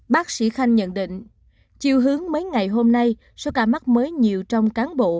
bác sĩ khanh nhận định chiều hướng mấy ngày hôm nay số ca mắc mới nhiều trong cán bộ